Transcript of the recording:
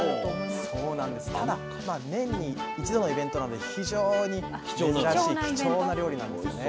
ただ年に一度のイベントなので非常に珍しい貴重な料理なんですよね。